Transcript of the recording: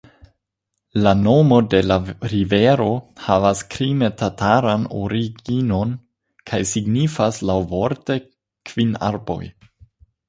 La nomo de la rivero havas krime-tataran originon kaj signifas laŭvorte «kvin arboj».